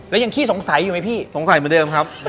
แล้วยังขี้สงสัยอยู่ไหมพี่สงสัยเหมือนเดิมครับ